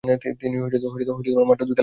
তিনি মাত্র দুই খেলায় অংশ নেন।